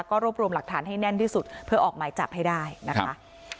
ก็รวบรวมหลักฐานให้แน่นที่สุดเพื่อออกหมายจับให้ได้นะคะ